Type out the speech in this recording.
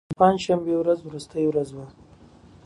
د پنج شنبې ورځ وروستۍ ورځ وه.